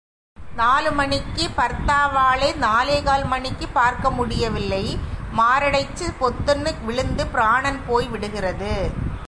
நாலு மணிக்கு பார்த்தாவாளை நாலே கால் மணிக்கு பார்க்க முடியவில்லை மாரடைச்சு பொத்துனு விழுந்து பிராணன் போய் விடுகிறது.